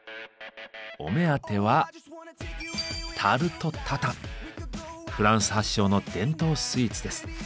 お目当てはフランス発祥の伝統スイーツです。